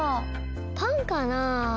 パンかなあ？